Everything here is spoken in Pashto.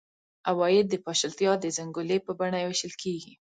عواید د پاشلتیا د زنګولې په بڼه وېشل کېږي.